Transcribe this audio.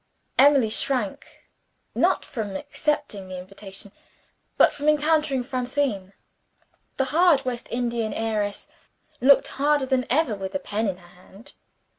Emily shrank not from accepting the invitation but from encountering Francine. The hard West Indian heiress looked harder than ever with a pen in her hand.